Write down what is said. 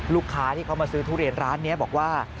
ลูกค้าที่เขามาซื้อทุเรียนร้านนี้บอกว่า